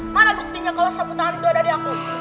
mana buktinya kalau sapu tangan itu ada di aku